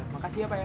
makasih ya pak ya